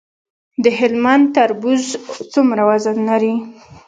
د هلمند تربوز څومره وزن لري؟